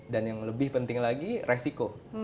dan yang lebih penting lagi resiko